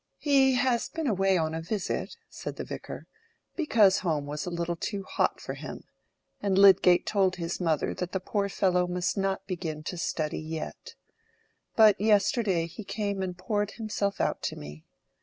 "He has been away on a visit," said the Vicar, "because home was a little too hot for him, and Lydgate told his mother that the poor fellow must not begin to study yet. But yesterday he came and poured himself out to me.